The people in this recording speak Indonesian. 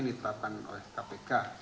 yang ditetapkan oleh kpk